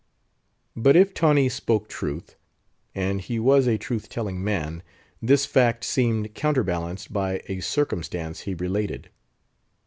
But if Tawney spoke truth—and he was a truth telling man this fact seemed counterbalanced by a circumstance he related.